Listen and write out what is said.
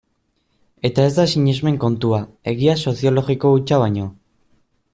Eta ez da sinesmen kontua, egia soziologiko hutsa baino.